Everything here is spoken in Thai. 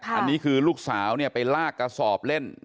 อันนี้คือลูกสาวไปลากกระสอบเล่น